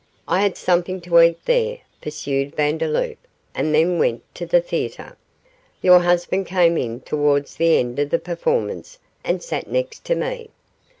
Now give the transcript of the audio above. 'I had something to eat there,' pursued Vandeloup, 'and then went to the theatre. Your husband came in towards the end of the performance and sat next to me.